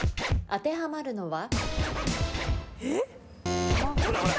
当てはまるのは？